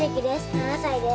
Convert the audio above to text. ７歳です。